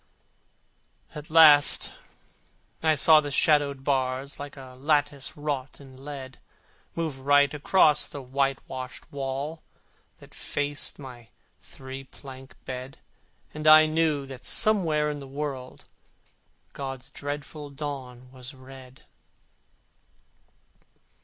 At last I saw the shadowed bars, Like a lattice wrought in lead, Move right across the whitewashed wall That faced my three plank bed, And I knew that somewhere in the world God's dreadful dawn was red.